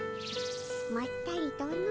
まったりとの。